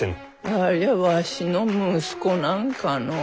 ありゃわしの息子なんかのう？